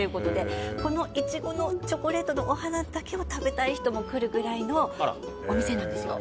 このイチゴのチョコレートのお花だけを食べたい人も来るぐらいのお店なんですよ。